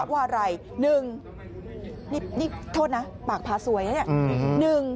ว่าอะไร๑นี่โทษนะปากผาสวยนะเนี่ย